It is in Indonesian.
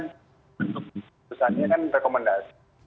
bentuk perusahaannya kan rekomendasi